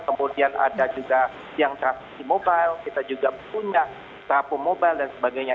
kemudian ada juga yang transaksi mobile kita juga punya sahapu mobile dan sebagainya